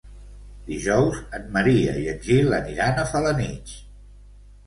Dijous en Maria i en Gil aniran a Felanitx.